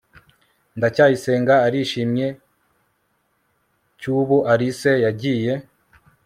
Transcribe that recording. ndacyayisenga arishimye cy ubu alice yagiye